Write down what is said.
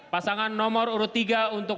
pasangan nomor urut tiga untuk